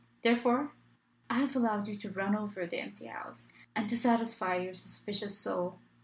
Therefore, I have allowed you to run over the empty house, and to satisfy your suspicious soul.